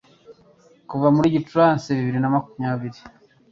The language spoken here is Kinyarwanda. kuva muri Gicurasi bibiri na makumyabiri